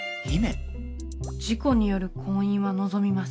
事故による婚姻は望みません。